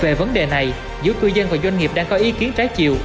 về vấn đề này giữa cư dân và doanh nghiệp đang có ý kiến trái chiều